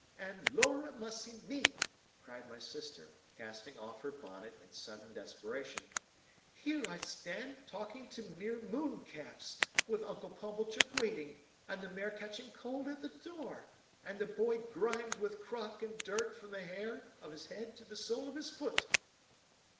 And Lor a mussy me!" cried my sister, casting off her bonnet in sudden desperation, "here I stand talking to mere Mooncalfs, with Uncle Pumblechook waiting, and the mare catching cold at the door, and the boy grimed with crock and dirt from the hair of his head to the sole of his foot!"